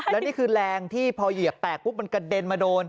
แล้วนี่คือแรงที่พอเหยียบแตกปุ๊บมันกระเด็นมาโดน